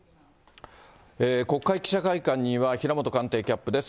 国会記者会館には平本官邸キャップです。